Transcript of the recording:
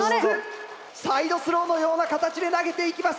サイドスローのような形で投げていきます。